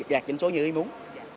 dạng danh số như ý muốn